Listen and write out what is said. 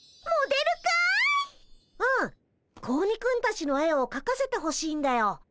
うん子鬼くんたちの絵をかかせてほしいんだよ。